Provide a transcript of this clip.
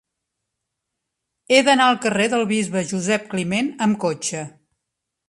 He d'anar al carrer del Bisbe Josep Climent amb cotxe.